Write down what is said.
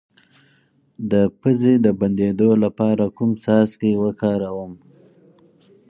د پوزې د بندیدو لپاره کوم څاڅکي وکاروم؟